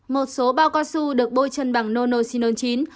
một số bao cao su được bôi chân bằng nocinol chín